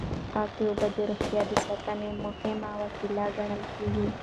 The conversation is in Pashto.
پاکې اوبه د روغتیا د ساتنې مهمه وسیله ګڼل کېږي.